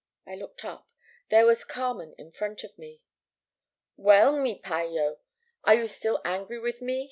"I looked up. There was Carmen in front of me. "'Well, mi payllo, are you still angry with me?